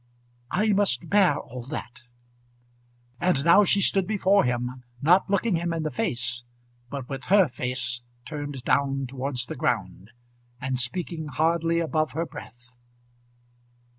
"I must bear all that." And now she stood before him, not looking him in the face, but with her face turned down towards the ground, and speaking hardly above her breath.